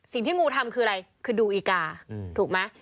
สิ่งที่งูทำคืออะไรคือดูอีกา